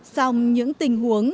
song những tình huống